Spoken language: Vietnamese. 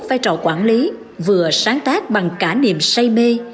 vai trò quản lý vừa sáng tác bằng cả niềm say mê